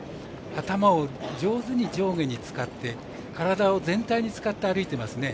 頭を上手に上下に使って体を全体に使って歩いてますね。